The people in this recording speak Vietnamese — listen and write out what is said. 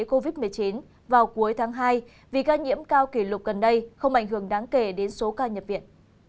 covid một mươi chín vào cuối tháng hai vì ca nhiễm cao kỷ lục gần đây không ảnh hưởng đáng kể đến số ca nhập viện